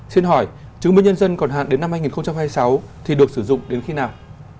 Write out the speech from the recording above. xin hỏi chứng minh nhân dân còn hạn đến năm hai nghìn hai mươi sáu thì được sử dụng đến khi nào